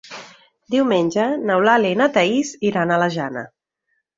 Diumenge n'Eulàlia i na Thaís iran a la Jana.